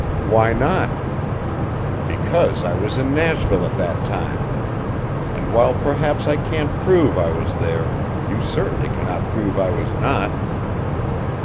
"Why not?" "Because I was in Nashville at that time. And while perhaps I can't prove I was there you certainly cannot prove I was not."